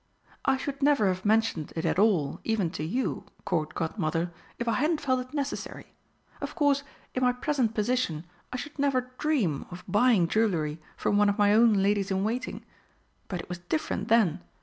"I should never have mentioned it at all, even to you, Court Godmother, if I hadn't felt it necessary. Of course, in my present position, I should never dream of buying jewellery from one of my own ladies in waiting. But it was different then.